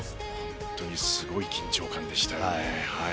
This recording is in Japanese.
本当にすごい緊張感でしたよね。